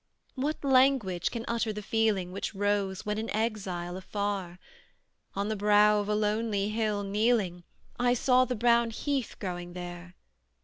What language can utter the feeling Which rose, when in exile afar, On the brow of a lonely hill kneeling, I saw the brown heath growing there?